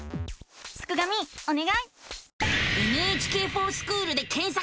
すくがミおねがい！